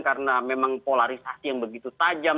karena memang polarisasi yang begitu tajam